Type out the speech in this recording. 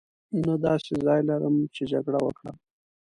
نه داسې ځای لرم چې جګړه وکړم.